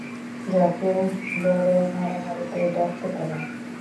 যাকে বড় মারামারিতে ডাকতে পারি?